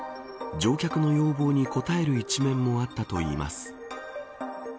乗客の要望にこたえる一面もあったといいます。